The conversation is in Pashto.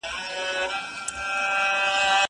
زه اوږده وخت مړۍ خورم!!